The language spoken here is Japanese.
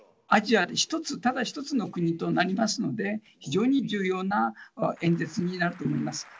アジアでただ一つの国となりますので非常に重要な演説になると思います。